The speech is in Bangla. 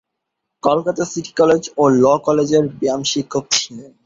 কলকাতা সিটি কলেজ ও ল কলেজের ব্যায়াম-শিক্ষক ছিলেন।